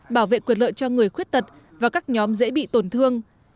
bảo vệ quyền lợi cho người khuyết tật và các nhóm dễ bị tổn thương